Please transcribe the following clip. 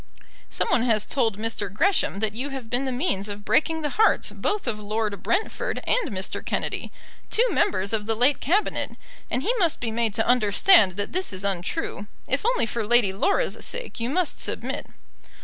Some one has told Mr. Gresham that you have been the means of breaking the hearts both of Lord Brentford and Mr. Kennedy, two members of the late Cabinet, and he must be made to understand that this is untrue. If only for Lady Laura's sake you must submit."